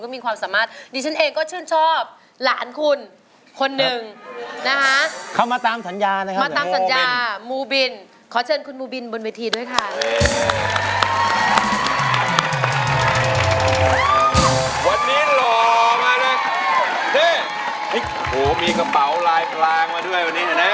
มีกระเป๋าลายปลางมาด้วย